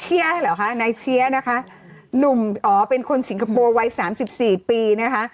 เหรอคะนายเชียนะคะหนุ่มอ๋อเป็นคนสิงคโปร์วัยสามสิบสี่ปีนะคะ